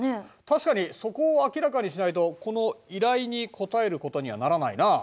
確かにそこを明らかにしないとこの依頼に答えることにはならないな。